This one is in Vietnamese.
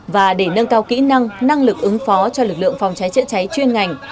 và để nâng cao kỹ năng năng lực ứng phó cho lực lượng phòng cháy chữa cháy chuyên ngành